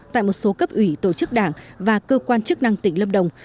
tại một số cấp ủy tổ chức đảng và cơ quan chức năng tỉnh lâm đồng